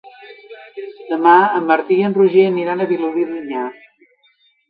Demà en Martí i en Roger aniran a Vilobí d'Onyar.